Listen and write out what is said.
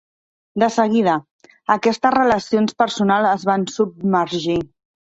De seguida, aquestes relacions personals es van submergir.